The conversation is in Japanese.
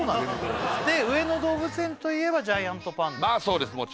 上野動物園上野動物園といえばジャイアントパンダそうです